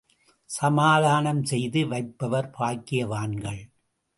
சமாதானம் செய்து வைப்பவர் பாக்கியவான்கள்.